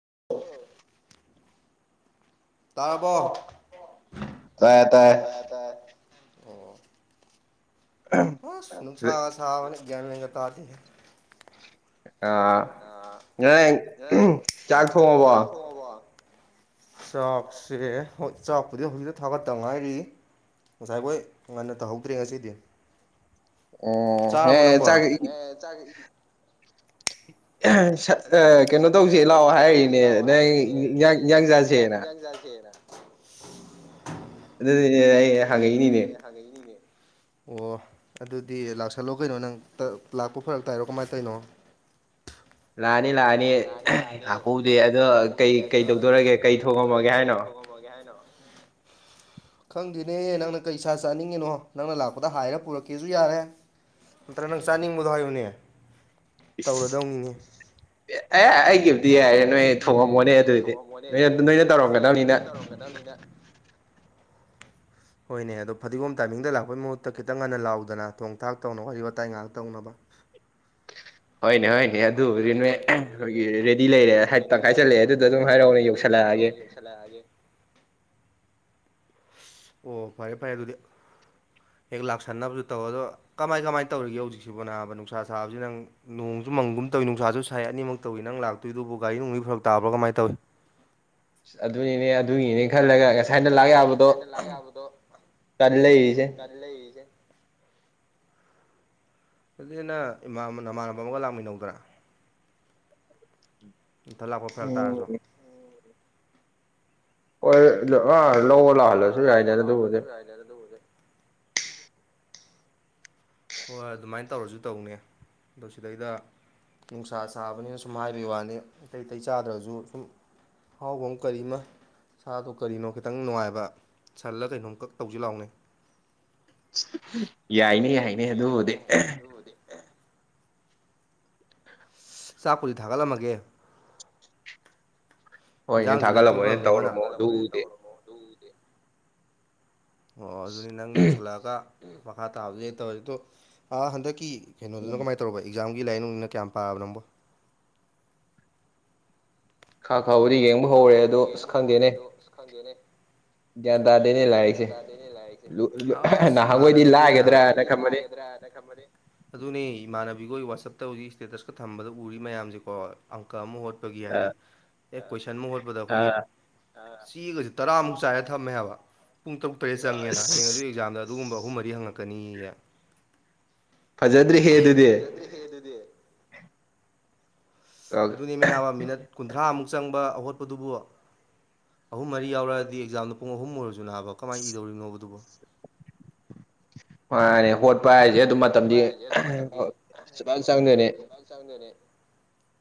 [inaudible] ꯇꯥꯔꯕꯣ ꯇꯥꯏꯌꯦ ꯇꯥꯏꯌꯦ ꯑꯣ ꯑꯁ ꯅꯨꯡꯁꯥꯅ ꯁꯥꯕꯅ ꯒ꯭ꯌꯥꯟ ꯃꯦꯟꯒ ꯇꯥꯗꯦꯍꯦ ꯑꯥ ꯅꯪ ꯆꯥꯛ ꯊꯣꯡꯉꯕꯣ ꯊꯣꯡꯉꯕꯣ ꯆꯥꯛꯁꯦ ꯍꯣꯏ ꯆꯥꯛꯄꯨꯗꯤ ꯍꯧꯖꯤꯛꯇ ꯊꯥꯒꯠꯇ ꯉꯥꯏꯔꯤ ꯉꯁꯥꯏ ꯒꯣꯏ ꯉꯟꯅ ꯇꯧꯍꯧꯗ꯭ꯔꯦ ꯉꯁꯤꯗꯤ ꯆꯥꯔꯕꯣ ꯅꯪꯕꯣ ꯍꯦ ꯆꯥꯔꯤ ꯑꯩ ꯁꯠ ꯀꯩꯅꯣ ꯇꯧꯖꯦ ꯂꯥꯛꯑꯣ ꯍꯥꯏꯔꯤꯅꯦ ꯅꯪ ꯏꯟꯖꯥꯡ ꯏꯟꯖꯥꯡ [unintelligible] ꯑꯗꯨꯗꯤꯅꯦ ꯑꯩ ꯍꯪꯉꯛꯏꯅꯤꯅꯦ ꯍꯪꯉꯛꯏꯅꯤꯅꯦ ꯑꯣ ꯑꯗꯨꯗꯤ ꯂꯥꯛꯁꯜꯂꯣ ꯀꯩꯅꯣ ꯅꯪ ꯂꯥꯛꯄ ꯐꯔꯛ ꯇꯥꯏꯔꯣ ꯀꯃꯥꯏ ꯇꯧꯅꯣ ꯂꯥꯛꯑꯅꯤ ꯂꯥꯛꯑꯅꯤ ꯂꯥꯛꯄꯕꯨꯗꯤ ꯑꯗꯣ ꯀꯩ ꯀꯩ ꯇꯧꯗꯧꯔꯒꯦ ꯀꯩ ꯊꯣꯡꯉꯝꯃꯒꯦ ꯍꯥꯏꯅꯣ ꯉꯝꯃꯒꯦ ꯍꯥꯏꯅꯣ ꯈꯪꯗꯦꯅꯦ ꯅꯪꯅ ꯀꯩꯁꯥ ꯆꯥꯅꯤꯡꯉꯤꯅꯣ ꯅꯪꯅ ꯂꯥꯛꯄꯗ ꯍꯥꯏꯔ ꯄꯨꯔꯛ ꯀꯦꯖꯨ ꯌꯥꯔꯦ ꯅꯠꯇ꯭ꯔ ꯅꯪ ꯆꯥꯅꯤꯡꯕꯗꯣ ꯍꯥꯏꯌꯨꯅꯦ ꯇꯧꯔꯗꯧꯅꯤꯅꯦ ꯑꯦ ꯑꯦ ꯑꯩꯒꯤꯕꯨꯗꯤ ꯌꯥꯏꯅꯦ ꯅꯣꯏ ꯊꯣꯡꯉꯝꯃꯣꯅꯦ ꯑꯗꯨꯗꯤ ꯅꯣꯏ ꯅꯣꯏꯅ ꯇꯧꯔꯝꯒꯗꯕꯅꯤꯅ [unintelligible] [inaudible] ꯍꯣꯏꯅꯦ ꯑꯗꯣ ꯐꯗꯤꯒꯣꯝ ꯇꯥꯏꯃꯤꯡꯗ ꯂꯥꯛꯄꯩ ꯃꯍꯨꯠꯇ ꯈꯤꯇꯪ ꯉꯟꯅ ꯂꯥꯎꯗꯅ ꯊꯣꯡ ꯊꯥꯛ ꯇꯧꯅ ꯋꯥꯔꯤ ꯋꯥꯇꯥꯏ ꯉꯥꯏꯍꯥꯛ ꯇꯧꯅꯕ ꯍꯣꯏꯅꯦ ꯍꯣꯏꯅꯦ ꯑꯦ ꯑꯗꯨꯕꯨꯗꯤ ꯅꯣꯏ ꯑꯩꯈꯣꯏꯒꯤ ꯔꯦꯗꯤ ꯂꯩꯔꯦ ꯍꯥꯏ ꯇꯪꯈꯥꯏ ꯆꯜꯂꯛꯑꯦ ꯑꯗꯨꯗ ꯑꯗꯨꯝ ꯍꯥꯏꯔꯛꯎꯅꯦ ꯌꯧꯁꯜꯂꯛꯑꯒꯦ [inaudible] ꯑꯣ ꯐꯔꯦ ꯐꯔꯦ ꯑꯗꯨꯗꯤ ꯍꯦꯛ ꯂꯥꯛꯁꯟꯅꯕꯁꯨ ꯇꯧ ꯑꯗꯣ ꯀꯃꯥꯏ ꯀꯃꯥꯏ ꯇꯧꯔꯤꯒꯦ ꯍꯧꯖꯤꯛꯁꯤꯕꯨ ꯅꯥꯕ ꯅꯨꯡꯁꯥ ꯁꯥꯕꯁꯤ ꯅꯪ ꯅꯣꯡ ꯁꯨ ꯃꯪꯒꯨꯝ ꯇꯧꯋꯤ ꯅꯨꯡꯁꯥꯁꯨ ꯁꯥꯏ ꯑꯅꯤꯃꯛ ꯇꯧꯋꯤ ꯅꯪ ꯂꯥꯛꯇꯣꯏꯗꯨꯕꯨ ꯒꯥꯔꯤ ꯅꯨꯡꯒꯤ ꯐꯔꯛ ꯇꯥꯕ꯭ꯔ ꯀꯃꯥꯏ ꯇꯧꯏ ꯑꯗꯨꯅꯤꯅꯦ ꯑꯗꯨꯅꯤꯅꯦ ꯑꯗꯨꯒꯤꯅꯦ ꯈꯜꯂꯒ ꯉꯁꯥꯏꯅ ꯂꯥꯛ ꯌꯥꯕꯗꯣ ꯇꯟ ꯂꯩꯔꯤꯁꯦ ꯇꯟ ꯂꯩꯔꯤꯁꯦ ꯑꯗꯨꯗꯤ ꯅꯪ ꯏꯃꯥꯟꯅ ꯅꯃꯥꯟꯅꯕ ꯑꯃꯒ ꯂꯥꯛꯃꯤꯟꯅꯧꯗꯅ ꯅꯊꯟ ꯂꯥꯛꯄ ꯐꯔꯛ ꯇꯥꯔꯁꯨ ꯍꯣꯏ ꯑꯥ ꯂꯧꯕ ꯂꯥꯛꯍꯜꯂꯁꯨ ꯌꯥꯏꯅꯦ ꯑꯗꯨꯕꯨꯗꯤ ꯌꯥꯏꯅꯦ ꯑꯗꯨꯕꯨꯗꯤ ꯍꯣꯏ ꯑꯗꯨꯃꯥꯏꯅ ꯇꯧꯔꯁꯨ ꯇꯧꯅꯦ ꯑꯗꯣ ꯁꯤꯗꯩꯗ ꯅꯨꯡꯁꯥ ꯁꯥꯥꯕꯅꯤꯅ ꯁꯨꯝ ꯍꯥꯏꯕꯒꯤ ꯋꯥꯅꯤ ꯑꯇꯩ ꯑꯇꯩ ꯆꯥꯗ꯭ꯔꯁꯨ ꯁꯨꯝ ꯑꯍꯥꯎꯕ ꯑꯃ ꯀꯔꯤꯃ ꯁꯥꯗꯨ ꯀꯔꯤꯅꯣ ꯈꯤꯇꯪ ꯅꯨꯡꯉꯥꯏꯕ ꯁꯜꯂ ꯀꯩꯅꯣꯝ ꯀꯛ ꯇꯧꯁꯤ ꯂꯥꯎꯅꯦ ꯌꯥꯏꯅꯦ ꯌꯥꯏꯅꯦ ꯑꯗꯨꯕꯨꯗꯤ ꯑ ꯆꯥꯛꯄꯨꯗꯤ ꯊꯥꯒꯠꯂꯝꯃꯒꯦ ꯍꯣꯏꯅꯦ ꯊꯥꯒꯠꯂꯝꯃꯣꯅꯦ ꯇꯧꯔꯝꯃꯣ ꯑꯗꯨꯕꯨꯗꯤ ꯑꯣ ꯑꯗꯨꯗꯤ ꯅꯪ ꯌꯧꯁꯜꯂꯛꯑꯒ ꯃꯈꯥ ꯇꯥꯕꯗꯨ ꯍꯦꯛ ꯇꯧꯔꯁꯤ ꯗꯣ ꯑꯥ ꯍꯟꯗꯛꯀꯤ ꯀꯩꯅꯣꯗꯨꯅ ꯀꯃꯥꯏ ꯇꯧꯔꯕ ꯑꯦꯛꯖꯥꯝꯒꯤ ꯂꯥꯏꯔꯤꯛ ꯅꯨꯡꯔꯤꯛꯅ ꯀꯌꯥꯝ ꯄꯥꯔꯕ ꯅꯪꯕꯣ ꯈꯥ ꯈꯥꯕꯨꯗꯤ ꯌꯦꯡꯕ ꯍꯧꯔꯦ ꯑꯗꯣ ꯑꯁ ꯈꯪꯗꯦꯅꯦ ꯑꯁ ꯈꯪꯗꯦꯅꯦ ꯒ꯭ꯌꯥꯟ ꯇꯥꯗꯦꯅꯦ ꯂꯥꯏꯔꯤꯛꯁꯦ ꯑꯁ ꯏꯃꯥꯟꯅꯕꯤꯒꯤ ꯑꯣꯏꯅ ꯑꯩꯈꯣꯏꯗꯤ ꯂꯥꯏꯒꯗ꯭ꯔꯥ ꯅ ꯈꯟꯕꯅꯤ ꯑꯗꯨꯅꯦ ꯏꯃꯥꯟꯅꯕꯤꯈꯣꯏ ꯋꯥꯆꯞꯇ ꯍꯧꯖꯤꯛ ꯁ꯭ꯇꯦꯇꯁꯀ ꯊꯝꯕꯗ ꯎꯔꯤ ꯃꯌꯥꯝꯁꯦꯀꯣ ꯑꯪꯀ ꯑꯃ ꯍꯣꯠ ꯄꯒꯤ ꯍꯥꯏꯗꯤ ꯑꯦ ꯀꯣꯏꯁꯟ ꯑꯃ ꯍꯣꯠꯄꯗ ꯑꯩꯈꯣꯏꯒꯤ ꯆꯦꯒꯁꯦ ꯇꯔꯥꯃꯨꯛ ꯆꯥꯏꯔꯒ ꯊꯝꯃꯦ ꯍꯥꯏꯕ ꯄꯨꯡ ꯇꯔꯨꯛ ꯇꯔꯦꯠ ꯆꯪꯉꯦꯅ ꯍꯌꯦꯡ ꯑꯗꯨ ꯑꯦꯛꯖꯥꯝꯗ ꯑꯗꯨꯒꯨꯝꯕ ꯑꯍꯨꯝ ꯃꯔꯤ ꯍꯪꯉꯛꯀꯅꯤꯌꯦ ꯐꯖꯗ꯭ꯔꯦꯍꯦ ꯑꯗꯨꯗꯤ ꯍꯦ ꯑꯗꯨꯗꯤ ꯑꯗꯨꯅꯦꯃꯤ ꯅꯥꯕ ꯃꯤꯅꯠ ꯀꯨꯟꯊ꯭ꯔꯥꯃꯨꯛ ꯆꯪꯕ ꯈꯣꯠꯄꯗꯨꯕꯨ ꯑꯍꯨꯝ ꯃꯔꯤ ꯌꯥꯎꯔꯛꯑꯗꯤ ꯑꯦꯛꯖꯥꯝꯗ ꯄꯨꯡ ꯑꯍꯨꯝ ꯑꯣꯏꯔꯁꯨ ꯅꯥꯕ ꯀꯃꯥꯏ ꯏꯗꯧꯔꯤꯅꯣꯕ ꯑꯗꯨꯕꯣ ꯃꯥꯅꯦ ꯍꯣꯠ ꯃꯥꯅꯦ ꯍꯣꯠꯄ ꯍꯥꯏꯁꯦ ꯑꯗꯨ ꯃꯇꯝꯗꯤ ꯁꯨꯃꯥꯏ ꯆꯪꯗꯣꯏꯅꯤ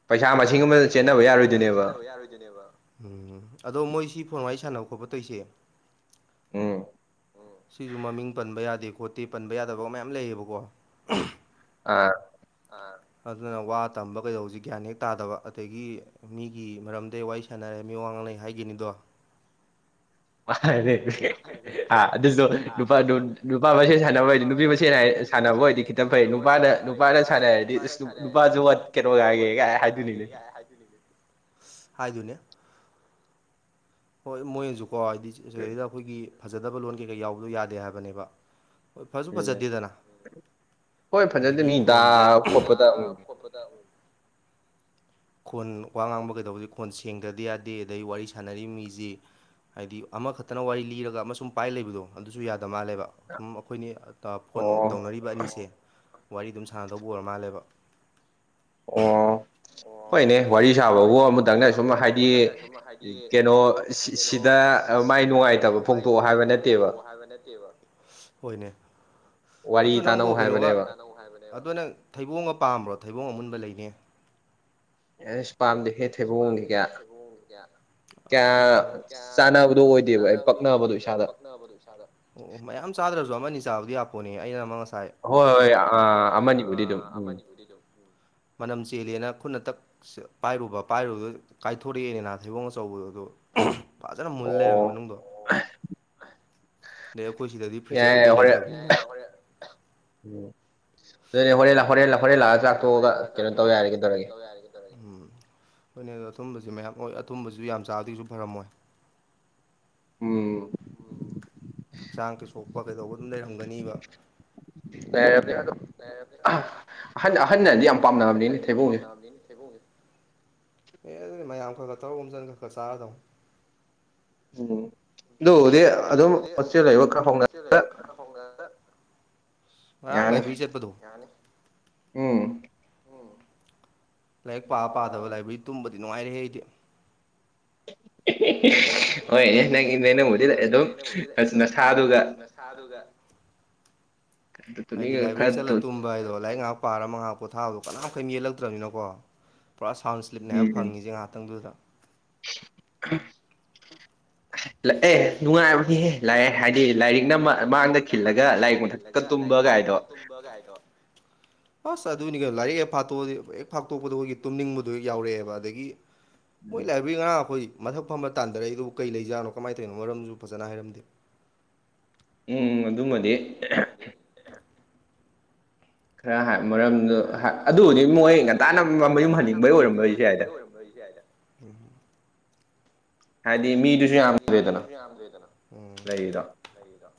ꯄꯩꯁꯥ ꯃꯁꯤꯡ ꯑꯃꯗ ꯆꯦꯟꯅꯕ ꯌꯥꯔꯣꯏꯗꯣꯏꯅꯦꯕ ꯎꯝ ꯑꯗꯣ ꯃꯣꯏ ꯁꯤ ꯐꯣꯟ ꯋꯥꯔꯤ ꯁꯥꯟꯅꯕ ꯈꯣꯠꯄ ꯇꯧꯏꯁꯦ ꯎꯝ ꯁꯤꯁꯨ ꯃꯃꯤꯡ ꯄꯟꯕ ꯌꯥꯗꯦ ꯈꯣꯠ ꯇꯤ ꯄꯟꯕ ꯌꯥꯗꯕ ꯃꯌꯥꯝ ꯂꯩꯌꯦꯕꯀꯣ ꯑꯥ ꯑꯗꯨꯅ ꯋꯥ ꯇꯝꯕ ꯀꯩꯗꯧꯕꯁꯦ ꯒ꯭ꯌꯥꯟ ꯍꯦꯛ ꯇꯥꯗꯕ ꯑꯗꯒꯤ ꯃꯤꯒꯤ ꯃꯔꯝꯗ ꯍꯦꯛ ꯋꯥꯔꯤ ꯁꯥꯟꯅꯔꯦ ꯃꯤ ꯋꯥ ꯉꯥꯡꯅꯩ ꯍꯥꯏꯈꯤꯅꯤꯗꯣ [inaudible] ꯑ ꯑꯗꯨꯁꯨ ꯅꯨꯄꯥ ꯅꯨꯄꯥ ꯃꯁꯦꯟ ꯁꯥꯟꯅꯕ ꯑꯣꯏꯗꯤ ꯅꯨꯄꯤ ꯃꯁꯦꯟ ꯁꯥꯟꯅꯕ ꯑꯣꯏꯗꯤ ꯈꯤ ꯁꯥꯟꯅꯕ ꯑꯣꯏꯔꯗꯤ ꯈꯤꯇꯪ ꯐꯩ ꯅꯨꯄꯥꯅ ꯅꯨꯄꯥꯅ ꯁꯥꯟꯅꯔꯗꯤ ꯏꯁ ꯅꯨꯄꯥꯁꯨ ꯋꯥ ꯀꯩꯩꯅꯣ ꯌꯥꯒꯦꯒꯥ ꯍꯥꯏꯗꯨꯨꯅꯤꯅꯦ ꯍꯥꯏꯗꯨꯅꯦ ꯍꯣꯏ ꯃꯣꯏꯅꯖꯨꯀꯣ ꯍꯥꯏꯗꯤ ꯁꯤꯗꯩꯖꯤꯗ ꯒꯤ ꯐꯖꯗꯕ ꯂꯣꯟ ꯀꯩ ꯀꯩ ꯌꯥꯎꯕꯗꯣ ꯌꯥꯗꯦ ꯍꯥꯏꯕꯅꯦꯕ ꯍꯣꯏ ꯐꯥꯖꯨ ꯐꯖꯗꯦꯗꯅ ꯑꯗꯥꯒꯤ ꯈꯣꯟꯖꯦ [unintelligible] ꯈꯣꯠꯄꯗ ꯎꯝ ꯈꯣꯟ ꯋꯥ ꯉꯥꯡꯕ ꯀꯩꯗꯧꯕꯖꯦ ꯈꯣꯟ ꯁꯦꯡꯗꯥꯗꯤ ꯌꯥꯗꯦ ꯑꯗꯩ ꯋꯥꯔꯤ ꯁꯥꯟꯅꯔꯤꯕ ꯃꯤꯖꯤ ꯍꯥꯏꯗꯤ ꯑꯃꯈꯛ ꯇꯥꯅ ꯋꯥꯔꯤ ꯂꯤꯔꯒꯥ ꯑꯃꯁꯨꯝ ꯄꯥꯏ ꯂꯩꯕꯗꯣ ꯑꯗꯨꯁꯨ ꯌꯥꯗꯥ ꯃꯥꯜꯂꯦꯕ ꯁꯨꯝ ꯑꯈꯣꯏꯅꯤ ꯇꯥ ꯐꯣꯟ ꯇꯧꯅꯔꯤꯕ ꯑꯅꯤꯁꯦ ꯋꯥꯔꯤ ꯑꯗꯨꯝ ꯁꯥꯟꯅꯗꯧꯕ ꯑꯣꯏꯔꯥ ꯃꯥꯜꯂꯦꯕ ꯑꯣ ꯍꯣꯏꯅꯦ ꯋꯥꯔꯤ ꯁꯥꯕꯕꯨ ꯑꯃꯇꯪꯅ ꯁꯨꯝ ꯍꯥꯏꯗꯤ ꯀꯩꯅꯣ ꯁꯤ ꯀꯩꯅꯣ ꯁꯤ ꯁꯤꯗꯥ ꯃꯥꯏ ꯅꯨꯡꯉꯥꯏꯇꯕ ꯐꯣꯡꯗꯣꯛꯑꯣ ꯍꯥꯏꯕ ꯅꯠꯇꯦꯕ ꯍꯣꯏꯅꯦ ꯑꯇꯣ ꯅꯪꯕꯨ ꯀꯩꯅꯣꯒꯥ ꯋꯥꯔꯤ ꯇꯥꯅꯧ ꯍꯥꯏꯕꯟ ꯑꯗꯨ ꯅꯪ ꯊꯩꯕꯣꯡꯒꯥ ꯄꯥꯝꯕ꯭ꯔꯣ ꯊꯩꯕꯣꯡ ꯑꯃꯨꯟꯕ ꯂꯩꯅꯦ ꯑꯦꯁ ꯄꯝꯗꯦꯍꯦ ꯊꯩꯕꯣꯡꯖꯦ ꯀꯌꯥ ꯑꯁ ꯅꯪ ꯀꯌꯥ ꯆꯥꯅ ꯄꯣꯗꯣ ꯑꯣꯏꯗꯦꯕ ꯑꯩ ꯄꯛꯅꯕꯗꯣ ꯏꯁꯥꯗ ꯑꯣ ꯑꯣ ꯃꯌꯥꯝ ꯆꯥꯗ꯭ꯔꯥꯖꯨ ꯑꯃꯅꯤ ꯆꯥꯕꯗꯤ ꯌꯥꯄꯣꯅꯤ ꯑꯩꯅ ꯑꯃ ꯉꯁꯥꯏ ꯍꯣꯏ ꯍꯣꯏ ꯑꯥ ꯑꯃꯅꯤꯕꯨꯗꯤ ꯑꯗꯨꯝ ꯎꯝ ꯕꯨꯗꯤ ꯗꯨꯝ ꯃꯅꯝ ꯆꯦꯜꯂꯦꯅ ꯈꯨꯠꯅ ꯇꯛꯁ ꯄꯥꯏꯔꯨꯕ ꯄꯥꯏꯔꯨꯕꯗ ꯀꯥꯏꯊꯣꯔꯛꯑꯦꯅꯦ ꯅ ꯊꯩꯕꯣꯡ ꯑꯆꯧꯕꯗꯣ ꯑꯗꯣ [unintelligible] ꯐꯖꯅ ꯃꯨꯜ ꯂꯩꯔꯝꯃꯤ ꯃꯅꯨꯡꯗꯣ ꯑꯣ ꯗꯩ ꯑꯈꯣꯏ ꯁꯤꯗꯗꯤ ꯐ꯭ꯔꯤꯆꯔ ꯀꯩꯀꯩ ꯂꯩꯇꯕ ꯌꯥꯏ ꯌꯥꯏ ꯍꯣꯔꯦꯟ [unintelligible] ꯎꯝ ꯑꯗꯨꯅꯦ ꯍꯣꯔꯦꯟ ꯂꯥꯛ ꯍꯣꯔꯦꯟ ꯂꯥꯛ ꯍꯣꯔꯦꯟ ꯂꯥꯛꯑ ꯆꯥꯛ ꯇꯣꯛꯑꯒꯥ ꯀꯩꯅꯣ ꯇꯧ ꯌꯥꯔꯦ ꯀꯩꯗꯧꯔꯥꯒꯦ ꯎꯝ ꯍꯣꯏꯅꯦ ꯑꯗꯣ ꯑꯊꯨꯝꯕꯁꯤ ꯃꯌꯥꯝ ꯑꯣꯏ ꯑꯊꯨꯝꯕꯖꯨ ꯌꯥꯝ ꯆꯥꯕꯗꯤ ꯀꯩꯁꯨ ꯐꯔꯝꯃꯣꯏ [inaudible] ꯎꯝ ꯍꯛꯆꯥꯡ ꯀꯩ ꯁꯣꯛꯄ ꯀꯩꯗꯧꯕ ꯑꯗꯨꯝ ꯂꯩꯔꯝꯒꯅꯤꯕ ꯂꯩꯔꯕꯅꯦ ꯑꯗꯣ ꯑꯥ ꯑꯍꯟ ꯑꯍꯟꯅꯥꯗꯤ ꯌꯥꯝ ꯄꯥꯝꯅꯕꯅꯤꯅꯦ ꯊꯩꯕꯨꯡꯖꯦ ꯉꯝꯗꯦꯅꯦ ꯊꯩꯕꯣꯡꯖꯦ ꯑꯦ ꯑꯗꯨꯗꯤ ꯃꯌꯥꯝ ꯈꯥꯒꯥ ꯇꯧꯔꯥ ꯑꯣꯝꯖꯟ ꯈꯔ ꯆꯥꯔꯗꯧꯅꯤ ꯎꯝ ꯑꯗꯨꯕꯨꯗꯤ ꯑꯗꯨꯝ ꯍꯣꯁꯇꯦꯜ ꯂꯩꯕ ꯈꯔ ꯍꯧꯅ ꯆꯦꯜ ꯂꯩꯕ ꯈꯥ ꯍꯧꯅ ꯑꯥ ꯌꯥꯅꯤ ꯎꯝ ꯂꯥꯏꯔꯤꯛ ꯄꯥ ꯄꯥꯗꯕ ꯂꯥꯏꯕ꯭ꯔꯤ ꯇꯨꯝꯕꯗꯤ ꯅꯨꯡꯉꯥꯏꯔꯦꯍꯦ ꯑꯩꯗꯤ ꯍꯣꯏꯅꯦ ꯅꯛꯏꯅꯦ ꯅꯪꯕꯨꯗꯤ ꯑꯗꯨꯝ ꯑꯁ ꯅꯁꯥꯗꯨꯒꯥ ꯁꯥꯗꯨꯒꯥ ꯍꯥꯏꯗꯤ ꯂꯥꯏꯕ꯭ꯔꯤ ꯆꯠꯂꯥ ꯇꯨꯝ ꯚꯥꯏꯗꯣ ꯂꯥꯏꯔꯤꯛ ꯉꯥꯏꯍꯥꯛ ꯄꯥꯔ ꯃꯉꯥꯛ ꯄꯣꯊꯥꯕꯗꯣ ꯀꯅꯥꯝ ꯀꯩꯝ ꯌꯦꯜꯂꯛꯇ꯭ꯔꯥꯅꯤꯅꯀꯣ ꯄꯨꯔꯥ ꯁꯥꯎꯟ ꯁ꯭ꯂꯤꯞꯅꯦ ꯍꯥꯏꯕ ꯐꯪꯉꯤꯖꯦ ꯉꯥꯍꯥꯇꯪꯗꯨꯗꯥ [inaudible] ꯂꯛꯑꯦ ꯅꯨꯡꯉꯥꯏꯕꯅꯦꯍꯦ ꯂꯥꯑꯦ ꯍꯥꯏꯗꯤ ꯂꯥꯏꯔꯤꯛꯅ ꯃꯥꯡꯗ ꯈꯤꯜꯂꯒ ꯂꯥꯏꯔꯤꯛ ꯃꯊꯛꯀꯥ ꯇꯨꯝꯕ ꯒꯥꯏꯗꯣ [unintelligible] ꯒꯥꯏꯗꯣ ꯑꯁ ꯑꯗꯨꯅꯤ ꯀꯩꯅꯣ ꯂꯥꯏꯔꯤꯛ ꯍꯦꯛ ꯐꯥꯠꯇꯣꯛꯑꯗꯤ ꯍꯦꯛ ꯐꯥꯛꯇꯣꯛꯄꯗ ꯑꯈꯣꯏꯒꯤ ꯇꯨꯝꯅꯤꯡꯕꯗꯣ ꯍꯦꯛ ꯌꯥꯎꯔꯛꯑꯦꯕ ꯑꯗꯒꯤ ꯃꯣꯏ ꯂꯥꯏꯕ꯭ꯔꯤ ꯉꯔꯥꯡ ꯑꯩꯈꯣꯏ ꯃꯊꯛ ꯐꯝꯕ ꯇꯥꯟꯗꯔꯛꯏꯗꯨꯕꯨ ꯀꯩ ꯂꯩꯖꯥꯠꯅꯣ ꯀꯃꯥꯏꯟ ꯇꯧꯔꯤꯅꯣ ꯃꯔꯝꯖꯨ ꯐꯖꯅ ꯍꯥꯏꯔꯝꯗꯦ ꯎꯝ ꯑꯗꯨꯃꯗꯤ ꯃꯥꯗꯤ [inaudible] ꯈꯔ ꯍꯥ ꯃꯔꯝꯗꯨ ꯍꯥ ꯑꯗꯨꯕꯨꯗꯤ ꯃꯣꯏ ꯉꯟꯇꯥꯅ ꯃꯥ ꯃꯌꯨꯝ ꯍꯟꯅꯤꯡꯕꯩ ꯑꯣꯏꯔꯝꯝꯕꯩꯖꯨ ꯌꯥꯏꯗ [unintelligible] ꯎꯝ ꯍꯥꯏꯗꯤ ꯃꯤꯗꯨꯁꯨ ꯍꯥꯏꯗꯤ ꯃꯤꯗꯨꯁꯨ ꯌꯥꯝꯗ꯭ꯔꯦꯗꯅ ꯂꯩꯔꯤꯗꯣ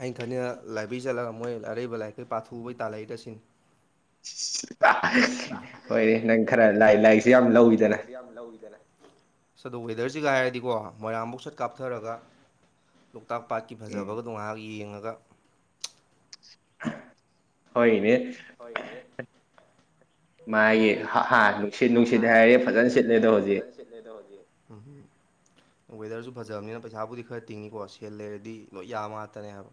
ꯑꯩꯅ ꯈꯜꯂꯤꯟꯡꯅ ꯂꯥꯏꯕ꯭ꯔꯦꯔꯤ ꯆꯠꯂꯒ ꯃꯣꯏ ꯑꯔꯩꯕ ꯂꯥꯏꯔꯤꯛꯈꯩ ꯄꯥꯊꯣꯎꯕꯩ ꯇꯥꯜꯂꯛꯏꯔꯁꯤꯅꯤ [unintelligible] ꯍꯣꯏꯅꯦ ꯅꯪ ꯈꯔ ꯂꯥꯏ ꯂꯥꯏꯔꯤꯛꯁꯦ ꯌꯥꯝ ꯂꯧꯋꯤꯗꯅ ꯌꯥꯝ ꯂꯧꯋꯤꯗꯅ ꯑꯁ ꯑꯗꯣ ꯋꯦꯗꯔꯁꯤꯒ ꯍꯥꯏꯔꯗꯤꯀꯣ ꯃꯣꯏꯔꯥꯡꯐꯥꯎ ꯁꯠ ꯀꯥꯞꯊꯔꯒ ꯂꯣꯛꯇꯥꯛ ꯄꯥꯠꯀꯤ ꯐꯖꯕꯒꯗꯣ ꯉꯩꯍꯥꯛ ꯌꯦꯡꯉꯒ ꯍꯣꯏꯅꯦ ꯍꯣꯏꯅꯦ ꯃꯥꯒꯤ ꯍꯥ ꯅꯨꯡꯁꯤꯠ ꯅꯨꯡꯁꯤꯠ ꯍꯥꯏꯔꯦ ꯐꯖꯅ ꯁꯤꯠꯂꯦꯗꯣ ꯍꯧꯖꯤꯛ ꯁꯤꯠꯂꯦꯗꯣ ꯍꯧꯖꯤꯛ ꯋꯦꯗꯔꯁꯨ ꯐꯖꯕꯅꯤꯅ ꯄꯩꯁꯥꯕꯨꯗꯤ ꯈꯔ ꯇꯤꯡꯅꯤꯀꯣ ꯁꯦꯜ ꯂꯩꯔꯗꯤ ꯂꯣꯏ ꯌꯥꯕ ꯉꯥꯛꯇꯅꯦ ꯍꯥꯏꯕ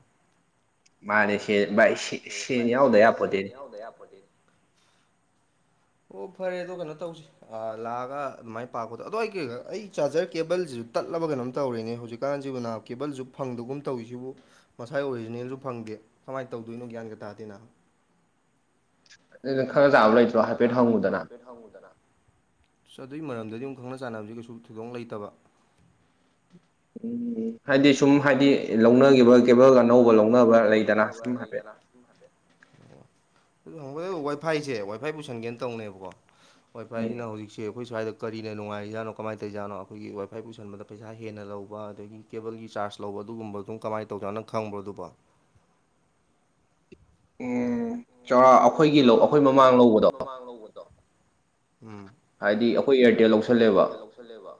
ꯃꯥꯅꯦ ꯁꯦ ꯚꯥꯏ ꯁꯦ ꯁꯦꯟ ꯌꯥꯎꯗ ꯌꯥꯄꯣꯠꯇꯦꯅꯦ ꯗꯌꯥꯄꯣꯇꯦꯅꯦ ꯑꯣ ꯐꯔꯦ ꯑꯗꯣ ꯀꯩꯅꯣ ꯇꯧꯁꯤ ꯂꯥꯛꯑꯒ ꯑꯗꯨꯃꯥꯏꯅ ꯄꯥꯛꯄꯗꯣ ꯑꯗꯨꯋꯥꯏꯒꯤ ꯑꯩ ꯆꯥꯔꯖꯔ ꯀꯦꯕꯜꯁꯤꯁꯨ ꯇꯠꯂꯕ ꯀꯩꯅꯣꯝ ꯇꯧꯔꯤꯅꯦ ꯍꯧꯖꯤꯛꯀꯥꯟꯁꯤꯕꯨꯅ ꯀꯦꯕꯜꯁꯨ ꯐꯪꯗꯒꯨꯝ ꯇꯧꯔꯤꯁꯤꯕꯨ ꯃꯁꯥꯏ ꯑꯣꯔꯤꯖꯤꯅꯦꯜꯁꯨ ꯐꯪꯗꯦ ꯀꯃꯥꯏ ꯇꯧꯗꯣꯏꯅꯣ ꯒ꯭ꯌꯥꯟꯒ ꯇꯥꯗꯦꯅ ꯑꯗꯨꯗꯩꯗ ꯈꯪꯅ ꯆꯥꯟꯅꯕ ꯂꯩꯇ꯭ꯔꯣ ꯍꯥꯏꯐꯦꯠ ꯍꯪꯉꯨꯗꯅ ꯍꯥꯏꯐꯦꯠ ꯍꯪꯉꯨꯗꯅ ꯑꯁ ꯑꯗꯨꯏ ꯃꯔꯝꯗꯗꯤ ꯑꯃꯨꯛ ꯈꯪꯅ ꯆꯥꯟꯅꯕꯁꯦ ꯀꯩꯁꯨ ꯊꯣꯏꯗꯣꯛꯅ ꯂꯩꯇꯕ [inaudible] ꯍꯥꯏꯗꯤ ꯁꯨꯝ ꯍꯥꯏꯗꯤ ꯂꯧꯅꯒꯤꯕ ꯀꯦꯕꯜ ꯑꯅꯧꯕ ꯂꯧꯅꯕ ꯂꯩꯗꯅ ꯁꯨꯝ ꯍꯥꯏꯐꯦꯠ ꯁꯨꯝ ꯍꯥꯏꯐꯦꯠ [unintelligible] ꯋꯥꯏꯐꯥꯏꯁꯦ ꯋꯥꯏꯐꯥꯏ ꯄꯨꯁꯟꯒꯦꯅ ꯇꯧꯅꯦꯕꯀꯣ ꯋꯥꯏꯐꯥꯏꯁꯤꯅ ꯍꯧꯖꯤꯛꯁꯦ ꯑꯩꯈꯣꯏ ꯁ꯭ꯋꯥꯏꯗ ꯀꯔꯤꯅ ꯅꯨꯡꯉꯥꯏꯔꯤꯖꯥꯅꯣ ꯀꯃꯥꯏꯅ ꯇꯧꯔꯤꯖꯥꯠꯅꯣ ꯑꯩꯈꯣꯏꯒꯤ ꯋꯥꯏꯐꯥꯏ ꯄꯨꯁꯟꯕꯗ ꯄꯩꯁꯥ ꯍꯦꯟꯅ ꯂꯧꯕ ꯑꯗꯒꯤ ꯀꯦꯕꯜꯒꯤ ꯆꯥꯔꯖ ꯂꯧꯕ ꯑꯗꯨꯒꯨꯝꯕ ꯑꯗꯨꯝ ꯀꯃꯥꯏꯅ ꯇꯧꯖꯥꯅꯣ ꯅꯪ ꯈꯪꯕ꯭ꯔꯣ ꯑꯗꯨꯕꯣ ꯎꯝ ꯆꯥ ꯑꯩꯈꯣꯏꯒꯤ ꯂꯧ ꯑꯩꯈꯣꯏ ꯃꯃꯥꯡ ꯂꯧꯕꯗꯣ ꯃꯃꯥꯡ ꯂꯧꯕꯗꯣ ꯎꯝ ꯍꯥꯏꯗꯤ ꯑꯩꯈꯣꯏ ꯑꯦꯌꯥꯔꯇꯦꯜ ꯂꯧꯁꯜꯂꯦꯕ ꯂꯧꯁꯜꯂꯦꯕ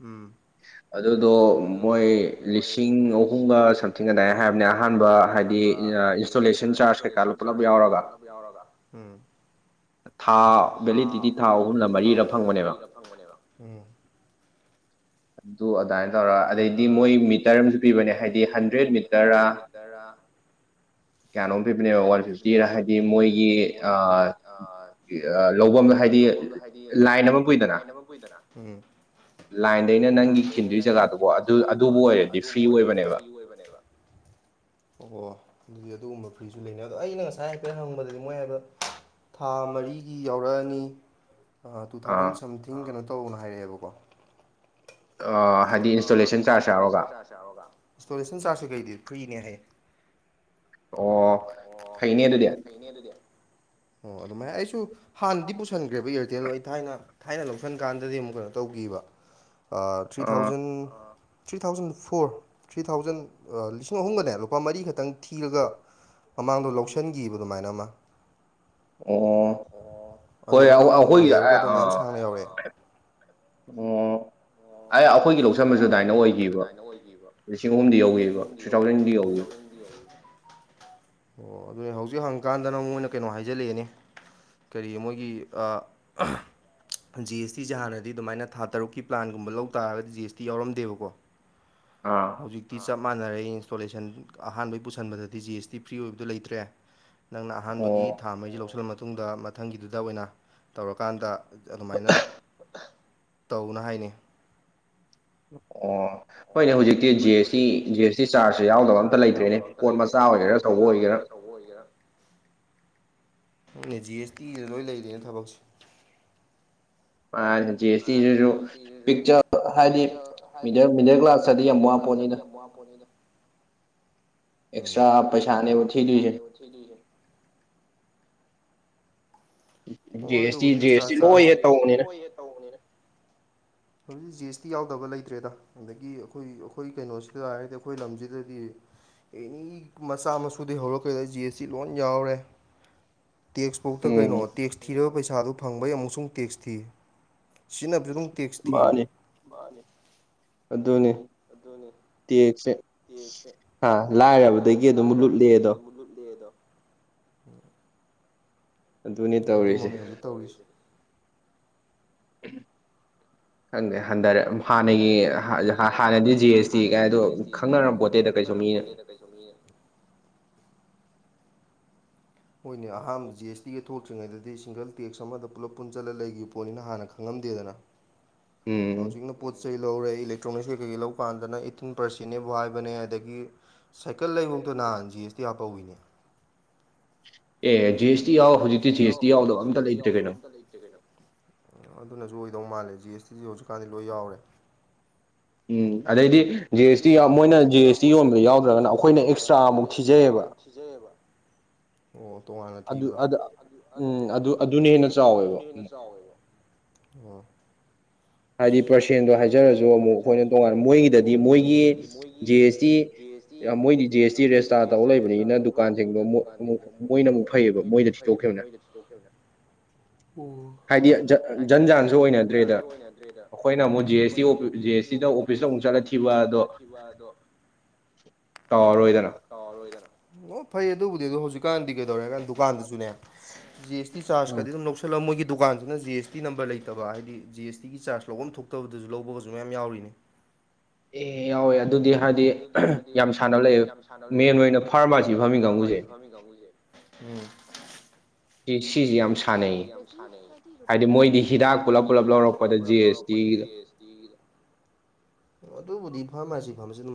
ꯎꯝ ꯑꯗꯨꯗꯣ ꯃꯣꯏ ꯂꯤꯁꯤꯡ ꯑꯍꯨꯝꯒ ꯁꯝꯊꯤꯡ ꯑꯗꯥꯏ ꯍꯥꯏꯕꯅꯦ ꯑꯍꯥꯟꯕ ꯍꯥꯏꯗꯤ ꯏꯟꯇꯣꯂꯦꯁꯟ ꯆꯥꯔꯖ ꯀꯩꯀꯥ ꯄꯨꯂꯞ ꯌꯥꯎꯔꯒ ꯄꯨꯂꯞ ꯌꯥꯎꯔꯒ ꯎꯝ ꯊꯥ ꯚꯦꯂꯤꯗꯤꯇꯤ ꯊꯥ ꯑꯍꯨꯝꯔ ꯃꯔꯤꯔ ꯐꯪꯕꯅꯦꯕ ꯎꯝ ꯑꯗꯨ ꯑꯗꯥꯥꯏꯅ ꯑꯗꯨ ꯑꯗꯥꯏꯅ ꯇꯧꯔ ꯑꯗꯩꯗꯤ ꯃꯣꯏ ꯃꯤꯇꯔ ꯑꯃꯁꯨ ꯄꯤꯕꯅꯦ ꯍꯥꯏꯗꯤ ꯍꯟꯗ꯭ꯔꯦꯗ ꯃꯤꯇꯔꯔꯥ ꯀꯌꯥꯅꯣꯝ ꯄꯤꯕꯅꯦꯕ ꯋꯥꯟ ꯐꯤꯐꯇꯤꯔ ꯍꯥꯏꯗꯤ ꯃꯣꯏꯒꯤ ꯑꯥ ꯂꯧꯕꯝꯗꯣ ꯍꯥꯏꯗꯤ ꯂꯥꯏꯟ ꯑꯃ ꯄꯨꯏꯗꯅ ꯎꯝ ꯂꯥꯏꯟꯗꯩꯅ ꯅꯪꯒꯤ ꯈꯤꯟꯗꯨꯏ ꯖꯒꯥꯗꯨꯕꯥꯎ ꯑꯗꯨ ꯑꯗꯨꯕꯨ ꯑꯣꯏꯔꯗꯤ ꯐ꯭ꯔꯤ ꯑꯣꯏꯕꯅꯦꯕ ꯑꯗꯨ ꯑꯣꯏꯕꯅꯦꯕ ꯑꯣ ꯑꯗꯨꯗꯤ ꯑꯗꯨꯒꯨꯝꯕ ꯐ꯭ꯔꯤꯁꯨ ꯂꯩꯅꯦ ꯑꯗꯣ ꯑꯩꯅ ꯉꯁꯥꯏ ꯍꯥꯏꯐꯦꯠ ꯍꯪꯕꯗꯗꯤ ꯃꯣꯏ ꯍꯥꯏꯕ ꯊꯥ ꯃꯔꯤꯒꯤ ꯌꯥꯎꯔꯛꯑꯅꯤ ꯇꯨꯊꯥꯎꯖꯟ ꯁꯝꯊꯤꯡ ꯀꯩꯅꯣ ꯇꯧꯌꯣꯅ ꯍꯥꯏꯔꯛꯑꯦꯕꯀꯣ ꯑꯥ ꯍꯥꯏꯗꯤ ꯏꯟꯁꯇꯣꯂꯦꯁꯟ ꯆꯥꯔꯖ ꯌꯥꯎꯔꯒ ꯌꯥꯎꯔꯒ ꯏꯟꯁꯇꯣꯂꯦꯁꯟ ꯆꯥꯔꯖ ꯀꯩ ꯀꯩꯗꯤ ꯐ꯭ꯔꯤꯅꯦ ꯍꯥꯏꯌꯦ ꯑꯣ ꯐꯩꯅꯦ ꯑꯗꯨꯗꯤ ꯑꯣ ꯑꯗꯨꯃꯥꯏ ꯑꯩꯁꯨ ꯍꯥꯟꯅꯗꯤ ꯄꯨꯁꯟꯈ꯭ꯔꯦꯕ ꯏꯌꯥꯔꯇꯦꯜ ꯗꯣ ꯊꯥꯏꯅ ꯊꯥꯏꯅ ꯂꯧꯁꯤꯟ ꯀꯥꯟꯗꯗꯤ ꯑꯃꯨꯛ ꯀꯩꯅꯣ ꯇꯧꯈꯤꯕ ꯑꯥ three thousand three thousand four three thousand ꯂꯤꯁꯤꯡ ꯑꯍꯨꯝꯒꯅꯦ ꯂꯨꯄꯥ ꯃꯔꯤ ꯈꯛꯇꯪ ꯊꯤꯔꯒ ꯃꯃꯥꯡꯗꯣ ꯂꯧꯁꯤꯟꯈꯤꯕ ꯑꯗꯨꯃꯥꯏꯅ ꯑꯃ꯫ ꯑꯣ ꯍꯣꯏ ꯑꯩꯈꯣꯏ ꯑ ꯑꯣ ꯑꯩ ꯑꯩꯈꯣꯏꯒꯤ ꯂꯧꯁꯕꯁꯨ ꯑꯗꯨꯃꯥꯏꯅ ꯑꯣꯏꯈꯤꯕ ꯂꯤꯁꯤꯡ ꯑꯍꯨꯝꯗꯤ ꯌꯧꯋꯦꯕ ꯊ꯭ꯔꯤ ꯊꯥꯎꯖꯟꯗꯤ ꯌꯧꯋꯦꯕ ꯑꯣ ꯑꯗꯨꯅꯦ ꯍꯧꯖꯤꯛ ꯍꯪꯀꯥꯟꯗꯅ ꯑꯃꯨꯛ ꯀꯩꯅꯣ ꯍꯥꯏꯖꯤꯜꯂꯛꯢꯅꯦ ꯀꯔꯤ ꯃꯣꯏꯒꯤ ꯖꯤ ꯑꯦꯁ ꯇꯤꯁꯦ ꯍꯥꯟꯅꯗꯤ ꯑꯗꯨꯃꯥꯏꯅ ꯊꯥ ꯇꯔꯨꯛꯀꯤ ꯄ꯭ꯂꯥꯟꯒꯨꯝꯕ ꯂꯧ ꯇꯥꯔꯗꯤ ꯖꯤ ꯑꯦꯁ ꯇꯤ ꯌꯥꯎꯔꯝꯗꯦꯕꯀꯣ ꯑꯥ ꯫ ꯍꯧꯖꯤꯛꯇꯤ ꯆꯞ ꯃꯥꯟꯅꯔꯦ ꯏꯟꯁꯇꯣꯂꯦꯁꯟ ꯑꯍꯥꯟꯕꯩ ꯄꯨꯁꯟꯕꯗꯗꯤ ꯖꯤ ꯑꯦꯁ ꯇꯤ ꯐ꯭ꯔꯤ ꯑꯣꯏꯕꯗꯨ ꯂꯩꯇ꯭ꯔꯦ ꯅꯪꯅ ꯑꯍꯥꯟꯕꯒꯤ ꯊꯥ ꯑꯃꯒꯤꯁꯤ ꯂꯧꯁꯤꯜꯂ ꯃꯇꯨꯡꯗ ꯃꯊꯪꯒꯤꯗꯨꯗ ꯑꯣꯏꯅ ꯇꯧꯔꯀꯥꯟꯗ ꯑꯗꯨꯃꯥꯏꯅ ꯇꯧꯅ ꯍꯥꯏꯅꯦ ꯑꯣ꯫ ꯍꯣꯏꯅꯦ ꯍꯧꯖꯤꯛꯇꯤ G S T G S T ꯆꯥꯔꯖꯁꯦ ꯌꯥꯎꯗꯕ ꯑꯝꯇ ꯂꯩꯇ꯭ꯔꯦꯅꯦ ꯄꯣꯠ ꯃꯆꯥ ꯑꯣꯏꯒꯦꯔꯥ ꯑꯆꯧꯕ ꯑꯣꯏꯒꯦꯔꯥ꯫ ꯑꯆꯧꯕ ꯑꯣꯏꯒꯦꯔ ꯈꯪꯗꯦ ꯖꯤ ꯑꯦꯁ ꯇꯤꯗ ꯂꯣꯏ ꯂꯩꯔꯦꯅꯦ ꯊꯕꯛꯁꯦ꯫ ꯃꯥꯅꯦ ꯖꯤ ꯑꯦꯁ ꯇꯤꯁꯤꯁꯨ ꯄꯤꯛꯆꯥꯕ ꯍꯥꯏꯗꯤ ꯃꯤꯗꯜ ꯃꯤꯗꯜ ꯀ꯭ꯂꯥꯁꯇꯗꯤ ꯌꯥꯝ ꯋꯥꯄꯣꯠꯅꯤꯗ ꯋꯥꯄꯣꯠꯅꯤꯗ ꯑꯦꯛꯁꯇ꯭ꯔꯥ ꯄꯩꯁꯥꯅꯦꯕ ꯊꯤꯗꯣꯏꯁꯦ꯫ [unintelligible] ꯍꯣꯏ ꯑꯗꯨꯕꯨꯗꯤ ꯑꯦꯛꯁꯇ꯭ꯔꯥ ꯆꯥꯔꯖ [unintelligible] ꯍꯧꯖꯤꯛ ꯖꯤ ꯑꯦꯁ ꯇꯤ ꯌꯥꯎꯗꯕ ꯂꯩꯇ꯭ꯔꯦꯗ ꯑꯗꯒꯤ ꯑꯩꯈꯣꯏ ꯑꯩꯈꯣꯏ ꯀꯩꯅꯣꯁꯤꯗ ꯍꯥꯏꯔꯗꯤ ꯑꯩꯈꯣꯏ ꯂꯝꯁꯤꯗꯗꯤ ꯑꯦꯅꯤ ꯃꯆꯥ ꯃꯁꯨꯗꯩ ꯍꯧꯔꯒ ꯀꯩꯗꯩ ꯖꯤ ꯑꯦꯁ ꯇꯤ ꯂꯣꯏ ꯌꯥꯎꯔꯦ꯫ ꯇꯦꯛꯁꯕꯨꯛꯇ ꯀꯩꯅꯣ ꯇꯦꯛꯁ ꯊꯤꯔꯕ ꯄꯩꯁꯥ ꯑꯗꯨ ꯐꯪꯕꯩ ꯑꯃꯨꯛꯁꯨ ꯇꯦꯛꯁ ꯊꯤ꯫ ꯁꯤꯖꯤꯟꯅꯕꯗꯨꯁꯨ ꯑꯗꯨꯝ ꯇꯦꯛꯁ ꯊꯤ ꯃꯥꯅꯤ ꯑꯗꯨꯅꯤ ꯇꯦꯛꯁꯦ ꯍꯥ ꯂꯥꯏꯔꯕꯗꯒꯤ ꯑꯗꯨꯝ ꯂꯨꯠꯂꯦ ꯗꯣ꯫ [unintelligible] ꯑꯗꯨꯃꯛꯅꯤ ꯍꯧꯖꯤꯛ ꯇꯧꯔꯤꯁꯦ꯫ [inaudible] ꯈꯪꯗꯦ ꯍꯥꯟꯗꯔꯦ ꯍꯥꯟꯅꯒꯤ ꯍꯥꯟꯅꯗꯤ ꯖꯤ ꯑꯦꯁ ꯇꯤ ꯀꯥꯏ ꯗꯨ ꯈꯪꯅꯔꯝꯄꯣꯠꯇꯦꯗ [unintelligible] ꯍꯣꯏꯅꯦ ꯑꯍꯥꯟ ꯖꯤ ꯑꯦꯁ ꯇꯤꯒꯤ ꯊꯣꯛꯇ꯭ꯔꯤꯉꯩꯗꯗꯤ ꯁꯤꯡꯒꯜ ꯇꯦꯛꯁ ꯑꯃꯗ ꯄꯨꯜꯂꯞ ꯄꯨꯟꯖꯜꯂ ꯂꯩꯒꯤ ꯄꯣꯠꯅꯤꯅ ꯍꯥꯟꯅ ꯈꯪꯉꯝꯗꯦꯗꯅ ꯎꯝ ꯍꯧꯖꯤꯛꯅ ꯄꯣꯠ ꯆꯩ ꯂꯧꯦ ꯏꯂꯦꯛꯇ꯭ꯔꯣꯅꯤꯛꯁ ꯀꯩꯀꯩꯀꯩ ꯂꯧ ꯀꯥꯟꯗꯅ ꯑꯦꯠꯇꯤꯟ ꯄꯥꯔꯁꯦꯟꯅꯦꯕꯨ ꯍꯥꯏꯕꯅꯦ ꯑꯗꯒꯤ ꯁꯥꯏꯀꯜ ꯂꯩꯕꯧꯗ ꯅꯍꯥꯟ ꯖꯤ ꯑꯦꯁ ꯇꯤ ꯍꯥꯞꯄꯧꯋꯤꯅꯦ ꯑꯦ ꯖꯤ ꯑꯦꯁ ꯇꯤ ꯌꯥꯎ ꯍꯧꯖꯤꯛꯇꯤ ꯖꯤ ꯑꯦꯁ ꯇꯤ ꯌꯥꯎꯗꯕ ꯑꯝꯇ ꯂꯩꯇ꯭ꯔꯦ ꯀꯩꯅꯣ ꯑꯥ ꯂꯩꯇ꯭ꯔꯦ ꯀꯩꯅꯣ ꯑꯥ ꯑꯗꯨꯅꯖꯨ ꯑꯣꯏꯗꯧ ꯃꯥꯜꯂꯦ ꯖꯤ ꯑꯦꯁ ꯇꯤꯖꯤ ꯍꯧꯖꯤꯛꯀꯥꯟꯗꯤ ꯂꯣꯏ ꯌꯥꯎꯔꯦ ꯎꯝ ꯑꯗꯩꯗꯤ ꯖꯤ ꯑꯦꯁ ꯇꯤ ꯌꯥꯎ ꯃꯣꯏꯅ ꯖꯤ ꯑꯦꯁ ꯇꯤ ꯌꯣꯟꯕꯗ ꯌꯥꯎꯗ꯭ꯔꯒꯅ ꯑꯈꯣꯏꯅ ꯑꯦꯛꯁꯇ꯭ꯔꯥ ꯑꯃꯨꯛ ꯊꯤꯖꯩꯌꯦꯕ ꯊꯤꯖꯩꯌꯦꯕ ꯑꯣ ꯇꯣꯉꯥꯟꯅ ꯊꯤꯕꯗꯣ ꯑꯗꯨ ꯑꯗ ꯎꯝ ꯑꯗꯨ ꯑꯗꯨꯅ ꯍꯦꯟꯅ ꯆꯥꯎꯋꯦꯕ ꯋꯣ ꯍꯥꯏꯗꯤ ꯄꯥꯔꯁꯦꯟꯗꯣ ꯍꯥꯏꯖꯔꯖꯨ ꯑꯃꯨꯛ ꯑꯈꯣꯏꯅ ꯇꯣꯉꯥꯟꯅ ꯃꯣꯏꯒꯤꯗꯗꯤ ꯃꯣꯏꯒꯤ ꯖꯤ ꯑꯦꯁ ꯇꯤ ꯌꯥ ꯃꯣꯏꯒꯤ ꯖꯤ ꯑꯦꯁ ꯇꯤ ꯔꯦꯁꯇꯥ ꯇꯧꯔ ꯂꯩꯕꯅꯤꯅ ꯗꯨꯀꯥꯟꯖꯤꯡꯗꯣ ꯃꯨꯛ ꯑꯃꯨꯛ ꯃꯣꯏ__ ꯑꯃꯨꯛ ꯃꯣꯏꯅ ꯑꯃꯨꯛ ꯐꯩꯌꯦꯕ ꯃꯣꯏꯗ ꯊꯤꯗꯣꯛꯈ꯭ꯔꯦꯅ ꯄꯨ ꯍꯥꯏꯗꯤ ꯖꯥ ꯖꯟꯖꯥꯟꯖꯨ ꯑꯣꯏꯅꯗ꯭ꯔꯦꯗ ꯔꯦꯗ ꯑꯈꯣꯏꯅ ꯑꯃꯨꯛ ꯖꯤ ꯑꯦꯁ ꯇꯤ ꯑꯣꯐꯤ ꯖꯤ ꯑꯦꯁ ꯇꯤꯗ ꯑꯣꯐꯤꯁꯇ ꯑꯃꯨꯛ ꯆꯠꯂꯥ ꯊꯤꯕꯗꯣ ꯇꯧꯔꯔꯣꯏꯗꯅ ꯇꯥꯎꯔꯔꯣꯏꯗꯅ ꯑꯣ ꯐꯩ ꯑꯗꯨꯕꯨꯗꯤ ꯑꯗꯣ ꯍꯧꯖꯤꯛꯀꯥꯟꯗꯤ ꯀꯩꯗꯧꯔꯦ ꯍꯥꯏꯒꯥꯟꯗ ꯗꯨꯀꯥꯟꯗꯖꯨꯅꯦ ꯖꯤ ꯌꯦꯁ ꯇꯤ ꯆꯥꯔꯖ ꯀꯗꯤ ꯑꯗꯨꯝ ꯂꯧꯁꯤ__ ꯂꯃꯣꯏꯒꯤ ꯗꯨꯀꯥꯟꯖꯤꯅ ꯖꯤ ꯑꯦꯁ ꯇꯤ ꯅꯝꯕꯔ ꯂꯩꯇꯕ ꯍꯥꯏꯗꯤ ꯖꯤ ꯑꯦꯁ ꯇꯤꯒꯤ ꯆꯥꯔꯖ ꯂꯧꯕꯝ ꯊꯣꯛꯇꯕꯗꯖꯨ ꯂꯧꯕꯒꯖꯨ ꯃꯌꯥꯝ ꯌꯥꯎꯔꯤꯅꯦ ꯇꯦꯡꯅ ꯌꯥꯎꯋꯦ ꯑꯗꯨꯗꯤ ꯍꯥꯏꯗꯤ ꯌꯥꯝ ꯁꯥꯟꯅꯕ ꯂꯩꯌꯦꯞ ꯃꯦꯟ ꯑꯣꯏꯅ ꯐꯥꯔꯃꯥꯁꯤ ꯐꯝꯃꯤ ꯀꯥꯡꯉꯨꯖꯦ ꯎꯝ ꯏꯠ ꯁꯤꯖꯤ ꯌꯥꯝ ꯏꯠ ꯁꯤꯖꯤ ꯌꯥꯝ ꯁꯥꯟꯅꯩ ꯍꯥꯏꯗꯤ ꯃꯣꯏꯒꯤ ꯍꯤꯗꯥꯛ ꯄꯨꯂꯞ ꯄꯨꯂꯞ ꯂꯧꯔꯛꯄꯗ ꯖꯤꯌꯦꯁ ꯇꯤꯒꯤꯗꯣ ꯑꯣ ꯑꯗꯨꯕꯨꯗꯤ ꯐꯥꯔꯃꯥꯁꯤ ꯐꯝꯃꯁꯨ ꯅꯨ__